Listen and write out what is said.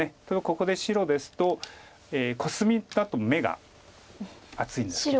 ここで白ですとコスミだと眼が厚いんですけど。